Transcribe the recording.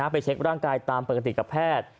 ไปเช็คร่างกายตามปกติกับแพทย์